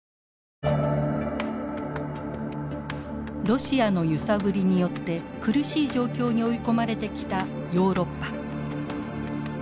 ロシアの揺さぶりによって苦しい状況に追い込まれてきたヨーロッパ。